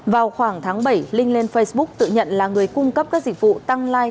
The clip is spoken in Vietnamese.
vào khoảng tháng bảy linh lên facebook tự nhận là người cung cấp các dịch vụ tăng like